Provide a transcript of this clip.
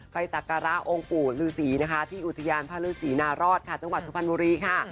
ไฟศักราองค์ปู่ฤษีที่อุทยานพระฤษีนารอดจังหวัดทุพรรณบุรีค่ะ